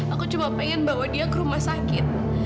aku cuma pengen bawa dia ke rumah sakit